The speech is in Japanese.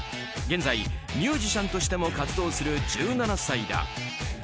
現在、ミュージシャンとしても活動する１７歳だ。